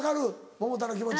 百田の気持ち。